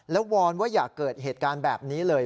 แล้ววอนว่าอย่าเกิดเหตุการณ์แบบนี้เลย